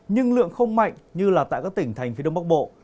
nhưng lượng không mạnh như là tại các tỉnh thành phía đông bắc bộ